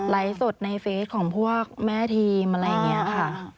สดในเฟสของพวกแม่ทีมอะไรอย่างนี้ค่ะ